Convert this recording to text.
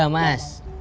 kita bisa tahan